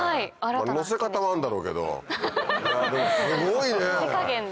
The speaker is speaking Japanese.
載せ方もあんだろうけどでもすごいね！